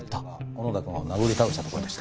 小野田くんを殴り倒したところでした。